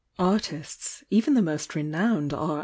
Artists, even the most renowned R.